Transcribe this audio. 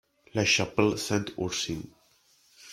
La Chapelle-Saint-Ursin